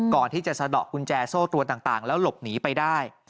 ก่อนที่จะสะดอกกุญแจโซ่ตัวต่างแล้วหลบหนีไปได้